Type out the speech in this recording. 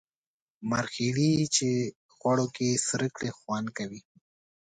مرخیړي چی غوړو کی سره کړی خوند کوي